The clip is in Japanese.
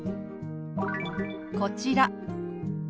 こちら。